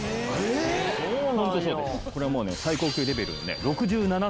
これはもうね最高級レベルのね６７層。